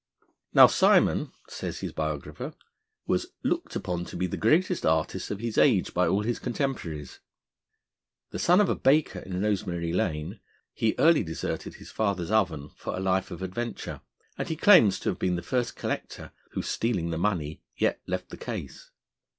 Now, Simon, says his biographer, was 'looked upon to be the greatest artist of his age by all his contemporaries.' The son of a baker in Rosemary Lane, he early deserted his father's oven for a life of adventure; and he claims to have been the first collector who, stealing the money, yet left the case.